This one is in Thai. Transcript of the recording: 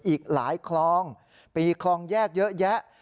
อีกหลายคลองปีคลองแยกเยอะแยะ